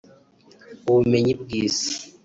ubumenyi bw’isi